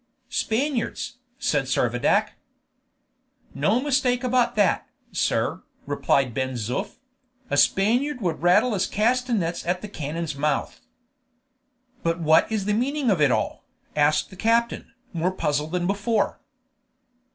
"Spaniards!" said Servadac. "No mistake about that, sir," replied Ben Zoof; "a Spaniard would rattle his castanets at the cannon's mouth." "But what is the meaning of it all?" asked the captain, more puzzled than before.